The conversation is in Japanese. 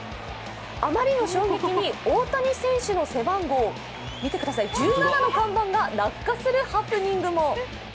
あまりの衝撃に大谷選手の背番号、見てください、１７の看板が落下するハプニングも。